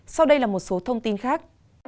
sau đây là một số thông tin khác